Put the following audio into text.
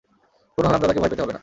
কোনো হারামজাদাকে ভয় পেতে হবে না!